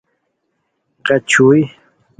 غیچ چھوئے